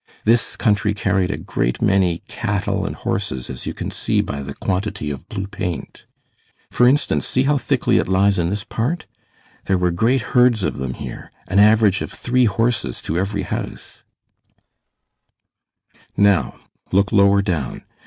This country carried a great many cattle and horses, as you can see by the quantity of blue paint. For instance, see how thickly it lies in this part; there were great herds of them here, an average of three horses to every house. [A pause] Now, look lower down.